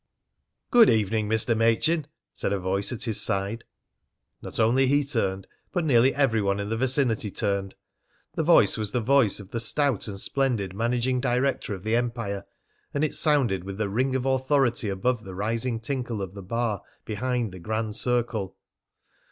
"Good evening, Mr. Machin," said a voice at his side. Not only he turned, but nearly every one in the vicinity turned. The voice was the voice of the stout and splendid managing director of the Empire, and it sounded with the ring of authority above the rising tinkle of the bar behind the Grand Circle.